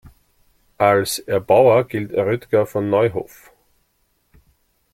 Als Erbauer gilt Rötger von Neuhoff.